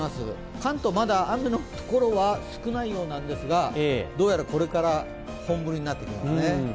関東、まだ雨のところは少ないようなんですがどうやらこれから本降りになってきそうですね。